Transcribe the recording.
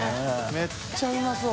めっちゃうまそう。